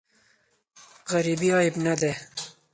غریبې عیب نه دی.